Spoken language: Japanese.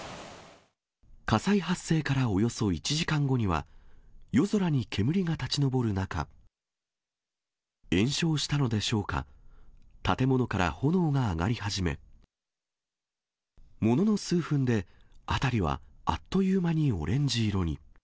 火災発生からおよそ１時間後には、夜空に煙が立ち上る中、延焼したのでしょうか、建物から炎が上がり始め、ものの数分で、辺りはあっという間にオレンジ色に。